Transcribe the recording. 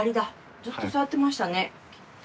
ずっと触ってましたね。